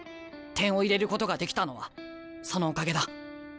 点を入れることができたのはそのおかげだ。